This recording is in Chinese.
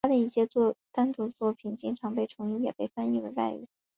他的一些单独的作品经常被重印也被翻译为外语。